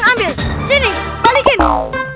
mana jajanan kaling ambil